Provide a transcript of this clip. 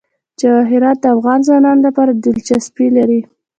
جواهرات د افغان ځوانانو لپاره دلچسپي لري.